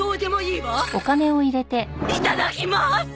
いただきまーす！